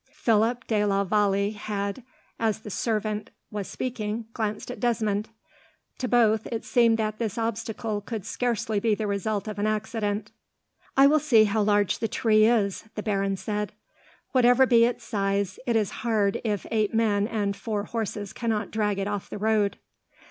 Philip de la Vallee had, as the servant was speaking, glanced at Desmond. To both, it seemed that this obstacle could scarcely be the result of an accident. "I will see how large the tree is," the baron said. "Whatever be its size, it is hard if eight men and four horses cannot drag it off the road."